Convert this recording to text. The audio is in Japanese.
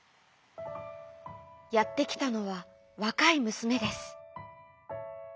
やってきたのはわかいむすめです。